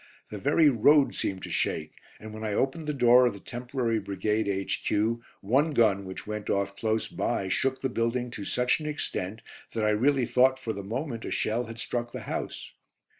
The very road seemed to shake, and when I opened the door of the temporary Brigade H.Q., one gun which went off close by shook the building to such an extent that I really thought for the moment a shell had struck the house.